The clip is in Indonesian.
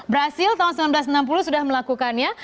brazil tahun seribu sembilan ratus enam puluh sudah melakukannya